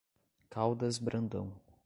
Caldas Brandão